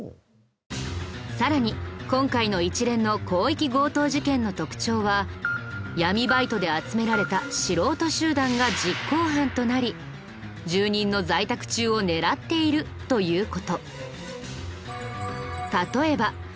さらに今回の一連の広域強盗事件の特徴は闇バイトで集められた素人集団が実行犯となり住人の在宅中を狙っているという事。